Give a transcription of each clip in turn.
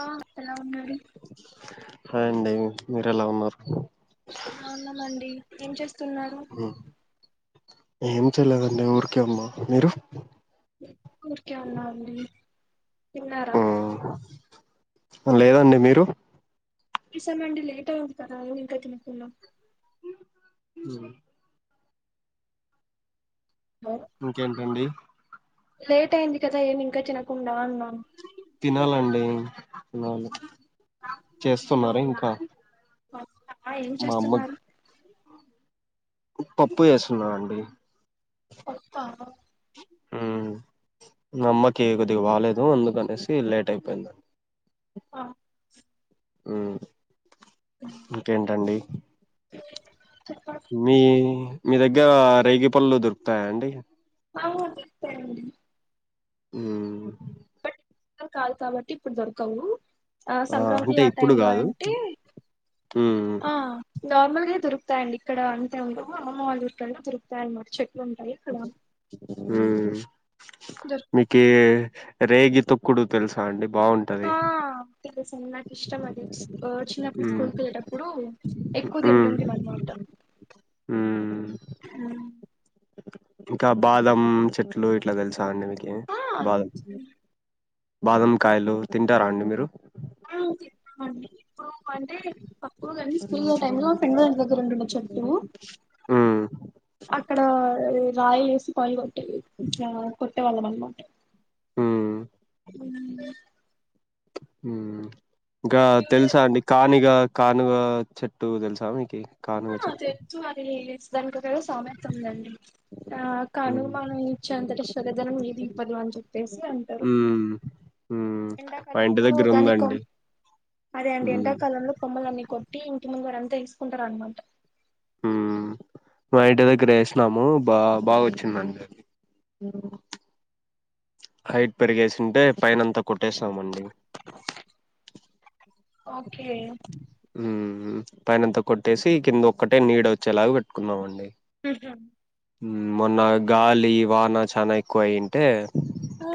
ఆ ఎలా ఉన్నారు హాయ్ అండి మీరు ఎలా ఉన్నారు బాగున్నామండి ఏం చేస్తున్నారు ఏం చేయలేదండి ఊరికే ఉన్న మీరు ఊరికే ఉన్నా అండి తిన్నారా మ్మ్. లేదండి మీరు తీసామ అండి లేట్ అయి ఉతారా నును ఇంకా తినుకున్నాం హ ఇంకేంటండి లేట్ అయింది కదా ఏమి ఇంకా తినకుండా అన్నా తినాలండి తినాలి చేస్తున్నారా ఇంకా మ ఏం మా అమ్మ చేస్తున్నారు పప్పు చేేస్తున్నా అండి పప్పా హుమ్ మా అమ్మకి కొద్దిగ్ అందుకనేసి లేట్ అయిపోయిందడి ఆ హుమ్ ఇంకేంటండి ఓకే మీ మీ దగ్గర రేగిపళ్ళు దొరుకుతాయా అండి అ దొరుక్తాయండి మ్మ్ న్ కాదు కాబట్టి ఇప్పుడు దొరకవు ఆ సంక్రాంతి అంటే ఆ ఇప్పుడు టైమ్ లో కాదు అంటే మ్మ్. నార్మల్ గా దొరుకుతాయండి ఇక్కడ అంతే ఉండ అమ్మమ్మ వాళ్ళ చుట్టనే దొరుకుతా అన్నమాట చెట్ ఉంటాయ్ ఇక్కడ మ్మ్ మీకే రేగి తొక్కుడు తెలుసా అండి బాగుంటది నాకి ఇష్టం అది చిన్నప్పుడు మ్మ్. స్కూల్కి వెళ్ళేటప్పుడు ఎక్కువ హ్మ్ తిండింటిమి అన్మాట హ్మ్ మ్మ్ ఇంకా బాదం చెట్లు ఇట్లా కలుసా అండి మీకు ఆ బాదం బాదమ్ కాయలు తింటారా అండి మీరు ఆ తింటాం అండి ఇప్ అంటే తక్కువ కానీ స్కూల్ టైం లో మా ఫ్రెండ్ గారి దగ్గర ఉంటుండె చెట్టు హ్మ్ అక్కడ అది రాయేసి పయ కొట్టే ఇట్టా కొట్టేవాళ్ళం అనమాట మ్మ్ ఉ ఇంకా దగ్గర తెలుసా అండి కానీక కానుగ చెట్టు తెలుసా మీకు ఆ తెల్సు అది ఏ సామెత ఉందండి ఆ కాను హ్మ్ మనం ఇచ్చేంతట స్గధనం ఏది ఇవ్వదు అని చెప్పే అంటారు ఉ ఎండాకాలంలో దానికి అదే అండి హ్మ్ ఎండాకాలంలో కొమ్మలన్నీ కొట్టి ఇంటి ముందురంతా ఎసుకుంటారనమాట హ్మ్ మా ఇంటి దగ్గర వేసినాము బా బాగా వచ్చిందండి హైట్ పెరిగేసింటే పైన అంతా కొట్టేస్తామండి ఓకే పైనంతా కొట్టేసి కింద ఒక్కటే నీడ వచ్చేలాగా పెట్టుకుందాం అండి అహా మొన్న గాలి వాన చనా ఎక్కువయింటే ఆ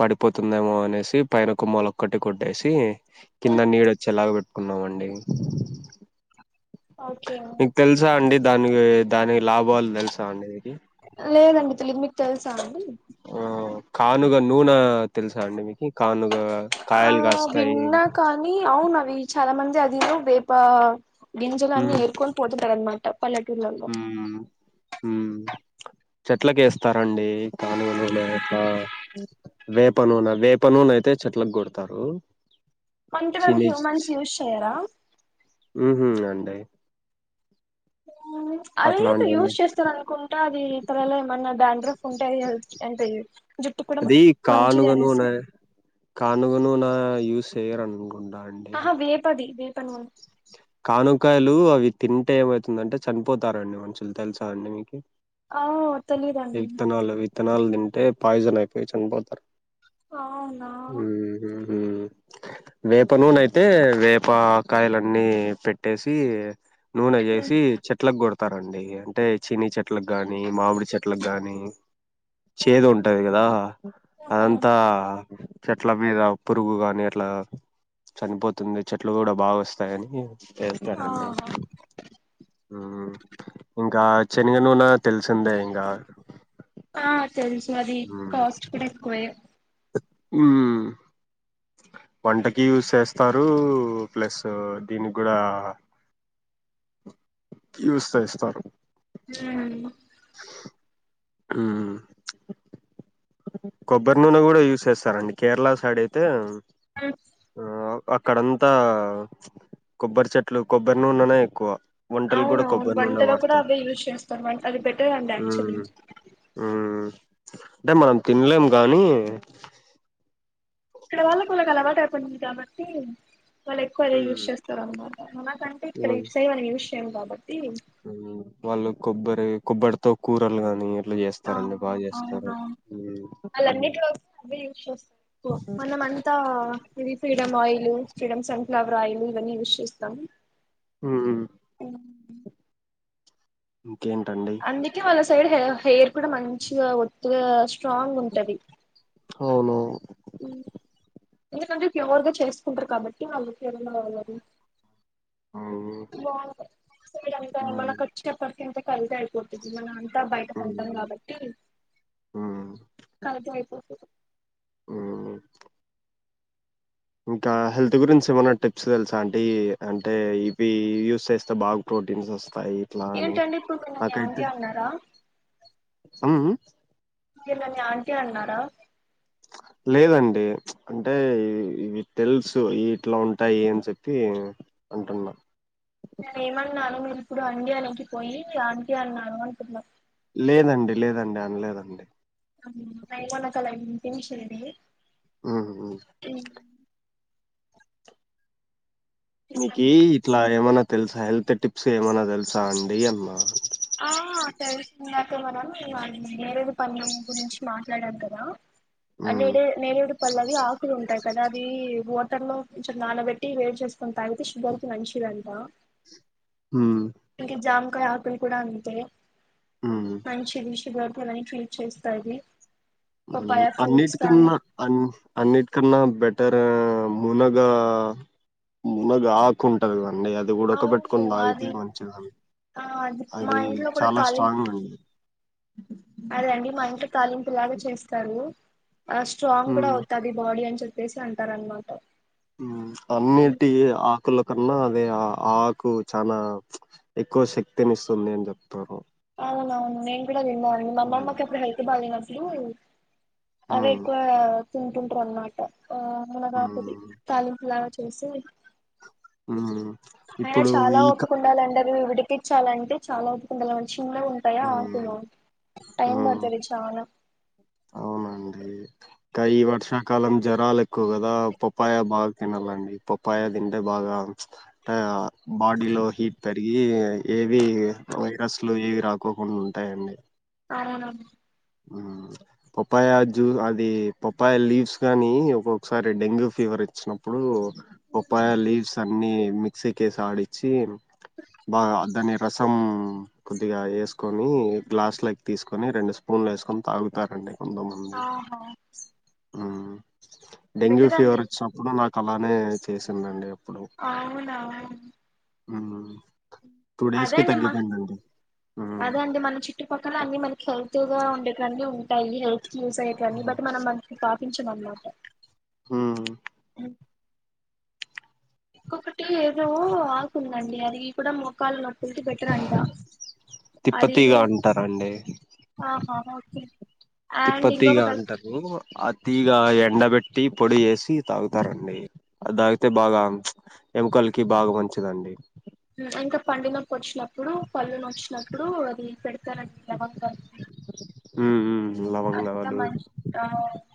పడిపోతుందేమో అనేసి పైన ఒక మొలొక్కటి కొట్టేసి కింద నీడ వచ్చేలాగా కున్నామండి ఓకే మీకు తెలుసా అండి దానికి దానికి లాభాలు తెలుసా అండి మీకి లేదండి తెలీదు మీకు తెలుసా అండి ఆ కానుగా నూనె తెలుసా అండి మీకు ఆ విన్నా కానీ అవును అవి చాలా మంది వేపా గింజలన్ని మ్మ్ ఏర్కొని పోతుంటారు అన్నమాట పల్లెటూర్లలో మ్మ్ మ్మ్ చెట్లకేస్తారండి గానుగ నూనె అట్లా వేప నూనె వేప నూన నయితే చెట్ల కొడతారు అంటే దానికి చినిజ్ హ్యూమన్స్ యూస్ చేయరా హ్మ్మ్ అండి ఉ అదతే అట్లాంటివన్నీ యూస్ చేస్తారనుకుంటా అది ఇ తలలా ఏమన్నా డాండ్రఫ్ ఉంటే అంటే జుట్టు కూడా అది మంచిది కానుగా అనేసి నునే కానుగా యూస్ చేయర్ అను ఆహా వేపది వేప నూనె కానుకాయలు అవి తింటే ఏమవుతుందంటే చనిపోతారండి మనుషులు తెలుసా అండి మీకు ఆ ఈ తెలిదండి విత్తనాలు విత్తనాలు తింటే పాయిజన్ అయిపోయి చనిపోతారు అవునా ఉహు వేప నూనె అయితే వేపకాయల అన్నీ పెట్టేసి నూనె చేసి చెట్లకు పెడతా రండి అంటే చిని చెట్లకుకి గాని మామిడి చెట్లకి గాని చేదు ఉంటది కదా అదంతా చెట్ల మీద పురుగు గాని అట్లా చనిపోతుంది చెట్లు కూడా బాగా వస్తాయని చేస్తారండి ఆహా ఉమ్ ఇంకా శనగ నూనె తెలుసిందే ఇంగ ఆ తెలుసు అది కాస్ట్ కూడా ఎక్కువే ఉమ్ వంటకి యూజ్ చేస్తారు ప్లస్ దీనికి కూడా [inaudible] ట్యూస్డే ఇస్తారు ఉమ్ ఉమ్ కొబ్బరి నూనె కూడా యూజ్ చేస్తారండి కేరళా సైడ్ అయితే ఆ అక్కడంతా కొబ్బరి చెట్లు కొబ్బరి నూననే ఎక్కువ వంటలు అవున కూడా అవును కొబ్బరి నూనె వంటలో కూడా వాడతారు అవే యూజ్ చేస్తారు అది బెటర్ అండి యాక్చువల్లీ ఉమ్ అంటే మనం తినలేము గానీ ఇక్కడ వాళ్ళకులకి అలవాటు అయిపోయింది కాబట్టి వాళ్ళు ఎక్కువ అదే యూజ్ మ్మ్ చేస్తారు అనమాట మన అంటే మ్మ్ క్రేట్స్ అ మనం యూస్ చేయం కాబట్టి వాళ్ళు కొబ్బరి కొబ్బరితో కూరలు కానీ చేస్తారండి బాగా చేస్తారు మ్మ్ అలాన్నింటిలో వ అే యూస్ చేస్తారు మనం అంతా ఇది ఫ్రీడమ్ ఆయిల్ ఫ్రీడ సె పవ రాయలు ఇవన్నీ విశిస్తాం ఉమ్ ఇంకేంటండి అందుకే వాళ్ళ సైడ్ హ హెయిర్ కూడా మంచిగా ఒత్తుగా స్ట్రాంగ్ ఉంటది అవును అ ఎందుకంటే ప్యూర్ గా చేసుకుంటారు కాబట్టి వాళ్ళకిమనా కావాలని మ్మ్ బా సై అంత మ్మ్ మనకు వచ్చేప్పడు కంత కలిద పోతుంది మనం అంతా బయట కొంటాం మ్మ్ కాబట్టి మ్మ్ కలిగి అయిపోతుంది అ ఇంకా హెల్త్ గురించి ఏమన్నా టిప్స్ తెలుసా అంటడి అంటే ఇవి యూస్ చేస్తే బాగు ప్రోటీన్స్ వస్తాయి ఇట్లా అని ఏంటండి ఇప్పుడు మీరు నన్ను ఆంటీ నాకైతే అన్నారా ఇళని ఆంటీ అన్నారా లేదండి అంటే ఇవి తెలుసు ఇట్లా ఉంటాయి అని చెప్పి అంటున్నా నేను ఏమన్నాను మీరి ఇప్పుడు అడి అనేకి పోయి శాంతి అన్నాను అంటున్నా లేదండి లేదండి అనలేదండి నై మనకల తిమిష ఇది ఆ నీకు ఏంటండి ఇట్లా ఏమైనా తెలుసా హెల్త్ టిప్స్ ఏమైనా తెలుసా అండి అన్న ఆ తెలిసిందాకే మనం వాళ నేరేది పను గురించి మాట్లాడద్ద్ద మ్మ్ నెడ నెడడు పల్వి ఆకులు ఉంటా కదా అది మోటర్ లో కొంచెం నానబెటి వేట్ చేసుకుొని తాగితే షుగర్ కి మంచిదడి ఆ మ్మ్ అం జాముకాయ హాకులి కూడాడా అంతంత మ్మ్ మంచించిది విష షుగర్లా ఫ్రీట్ చేస్తాది పపాయ ఫ్రూట్స్ అన్నిటి కానీ కన్నా అన్నిట్ కన్నా బెట్ అంటర్ మునగా మునగ ఆాకుంటది అడి అది కూడా ఒక అవును పెట్టుకుని తాగితే అది మంచిదని ఆ మా అది ఇంట్లో కూడా చాలా తాలింపు స్ట్రాంగ్ అండి అదే అండి మా ఇంత తాల ఇంట్లాగ చేస్తారు ఆ స్ట్రాంగ్ మ్మ్ కూడా అవుతాది బాడీ అని చెప్పేసి అంటారు అనమాట అన్నిటి హకుల కన్నా అదే ఆ ఆకు చనా ఎక్కువ శక్తిని ఇస్తుంది అని చెప్తారు. అవున అవును నేను కూడా విన్నాను మా మ్మ్ అమ్మమ్మకి అప్పుడు హెల్త్ బాలేనప్పుడు. అదే మ్మ్ ఎక్కువ తింటుంటారు అన్నమాట ఆ మన కాపోది మ్మ్ తాలింపులా చే. చేసి ఆ అయనా చాలా ఒపకుండాలంటడివు విడికిచ్చాలంటే చాలా ఒపకుండాల అంట చిన్న ఉంటాయా హ్మ్ ఆకును టైం హ్మ్. పడుతుంది చానా ఇకా ఈ వర్షాకాలం జ్వరాలు ఎక్కువ కదా పప్పాయ బాగా తినాలండి పప్పా తింటే బాగా బాడీలో హీట్ తరిగి ఏవి వైరస్లు ఏవి రాకోకుండా ఉంటాయండి అవునవు పప్పాయ జ్యూస్ అది పప్పాయ లీవ్స్ కాగానీ ఒక్కొక్కసారి డెంగ్యూ ఫీవర్ ఇచ్చినప్పుడు ఉప్పాయ లీవ్స్ అన్ని మిక్సీ కేసి ఆడించి బాగా అంటే రసం కొద్దిగా వేసుకొని గ్లాస్ లకి తీసుకొని రెండు స్ప పూన్లు వేసుకొని తాగుతారండి కొంతమంది ఆహా డెంగ్యూ బెటర్ ఫీవర్ అండి వచ్చినప్పుడు నాకు అలానే చేసిండ్రు అండి అవునా ఆ అదే అండి మా మ్మ్ అదే అండి మన చుట్టుపక్కల అన్ని మనకి ఎక్వగా ఉండేటన్ని ఉంటాయి హెల్త్ క యూజ్ అయ్యే కానీ బట్ మనం మనకి పాపించమ మ్యామ్ హ ఇక్కొక్కటి ఏదో ఆకుందండి అది కూడా మొకాలు నొ బెటర్ అంట తిప్పతీగ అదిను [inaudible] అంటారండి తిప్పతిగా ఉంటారు అతిగా ఎ ఎండబెట్టి పొడి చేేసి తాగుతారండి అది తాగితే బాగా ఎముకలకి బాగా మంచి మంచిది అండి అంత పండిన వచ్చినప్పుడు పళ్ళును నచ్చినప్పుడు అది పెడతారండి లవంగం మ్మ్ మ్మ్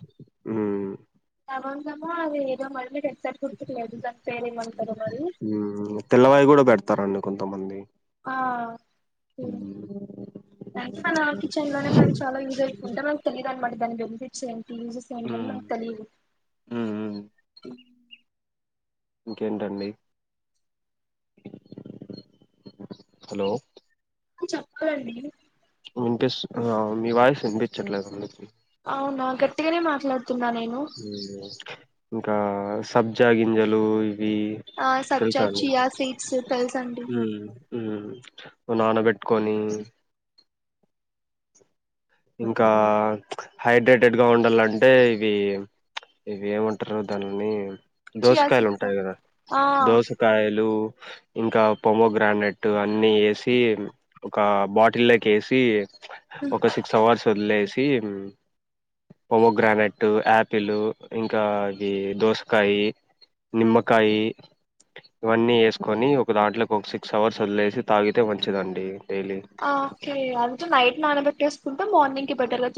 [inaudible] ఉ లవంగం ఏదో అది మళ్ళీ తెల్లవాయి కూడా పెడతారండి కొంతమంది. ఆ అే ఉమ్ మన కిచెన్ లోనే మనకు చాలా యూజ్ అయింటే మనకు తెలీదు అనమా. నన్ను పంపించేయండి ప్లీజ్ [inaudible] ఉమ్ ఉమ్ ఇంకేంటండి హలో చెప్పండి వినిపి మీ వాయిస్ వినిపించట్లేదు అండి అవునా గట్టిగానే మాట్లాడుతున్నా నేను ఇంకా సబ్జా గింజలు ఇవి ఆ సబ్జా తెలుసా అ చియా సీడ్స్ తెలుస అండి నువ్వు నానబెట్టుకొని ఇంకా హైడ్రేటెడ్ గా ఉండాలంటే ఇవి ఇవి ఏమంటారు దానిన్ని చియా దోసకాయలు సీడ్స్ ఉంటాయి కదా ఆ దోసకాయలు ఇంకా పమో గ్రానట్ అన్ని వేసి ఒక బాటిల్ లోకి వేసి ఒక సిక్స్ అవర్స్ వదిలేసి పోమోగ్రానెట్ ఆపిల్ ఇంకాది దోసకాయి నిమ్మకాయి ఇవన్నీ వేసుకొని ఒక దాంట్లోకి ఒక సిక్స్ అవర్స్ వదిలేసి తాగితే మంచిదండి డైలీ ఓకే అందుంటే నైట్ నానబెట్టి వేసుకుంటే మార్నింగ్ కి బట్టలా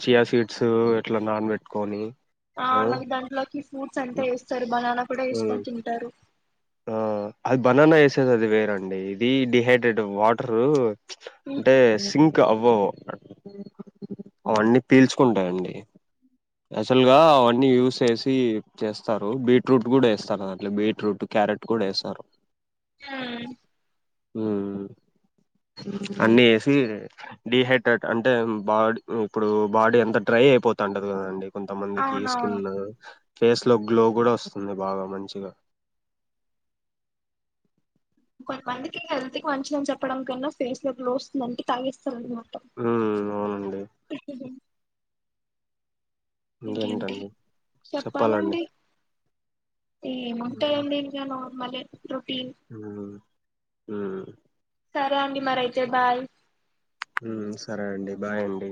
చియా స్వీట్స్ ఎట్లా నాన్ పెెట్టుకొని ఆ మళ్లీ దాంట్లోకి ఫ్రూట్స్ అంతా వేస్తారు బనానా కూడా మ్మ్ వేసుకొని తింటారు ఆ అది బనానా వేసేది అది వేరండి ఇది డిహైడ్రేట్ వాటరు ఉమ్. అంటే సింక్ అవ్వవు అవన్నీ పీల్చుకుంటాయండి అయాచుల్ గా అవన్నీ యూస్ చేసి చేస్తారు బీట్రూట్ కూడా వేస్తారు బనానా దాంట్లో బీట్రూట్ క్యారెట్ కూడా వేసారు ఆ అన్ని వేసి డిహైడ్రేట్ అంటే బాడ్ ఇప్పుడు బాడీ ఎంత డ్రై అయి పోతుంటది కదండి కొంతమందికి స్కిన్ అవునవును ఫేస్ లో గ్లో కూడా వస్తుంది బాగా మంచిగా కొంతమందికి హెల్త్ కి మంచిదని చెప్పడం కన్నా ఫేస్ లో గ్లో వస్తుంది అంటే తాగేస్తారు ఉ అవునండి ఇంకేంటి ఇంకేంటండి చెప్పాలండి ఏమంటా ఎంది ఇంకా నార్మలే రొటీన్ ఉ ఉ సరే అండి మరి అయితే బాయ్ సరే అండి బాయ్ అండి